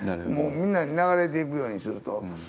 もうみんな流れていくようにすると。